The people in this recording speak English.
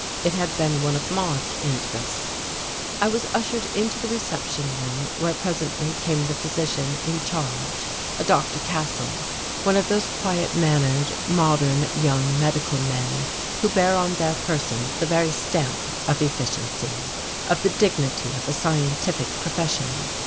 It had been one of Maude's interests. I was ushered into the reception room, where presently came the physician in charge, a Dr. Castle, one of those quiet mannered, modern young medical men who bear on their persons the very stamp of efficiency, of the dignity of a scientific profession.